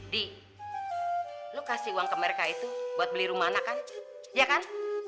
di lu kasih uang ke mereka itu buat beli rumana kan ya kan